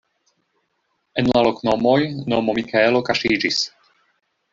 En la loknomoj nomo Mikaelo kaŝiĝis.